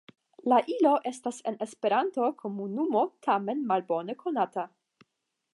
La ilo estas en la Esperantokomunumo tamen malbone konata.